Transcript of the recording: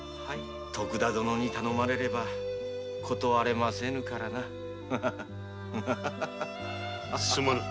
徳田殿に頼まれれば断れませぬからなハハハ。すまぬ。